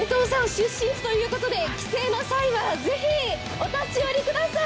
出身地ということで帰省の際はぜひお立ち寄りください。